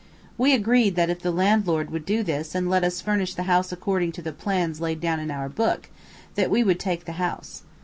We agreed that if the landlord would do this and let us furnish the house according to the plans laid down in our book, that we would take the house.